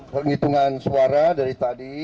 penghitungan suara dari tadi